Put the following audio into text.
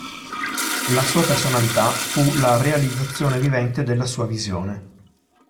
La sua personalità fu la realizzazione vivente della sua visione.